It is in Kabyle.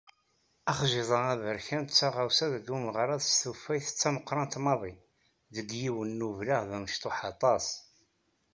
Axjiḍ aberkan d taɣawsa deg umeɣrad s tufayt d tameqqrant maḍi deg yiwen n ubleɣ d amecṭuḥ aṭas.